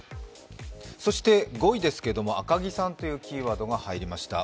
そして５位ですけれども、赤木さんというキーワードが入りました。